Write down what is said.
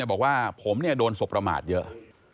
บอกว่าผมโดนสบประมาทเยอะ